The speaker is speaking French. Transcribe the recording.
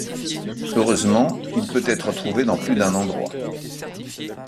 Heureusement, il peut être trouvé dans plus d'un endroit.